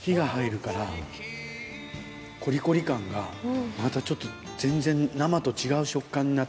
火が入るからコリコリ感がまたちょっと全然生と違う食感になって来る。